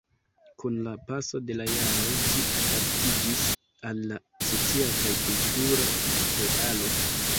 Kun la paso de la jaroj ĝi adaptiĝis al la socia kaj kultura realo.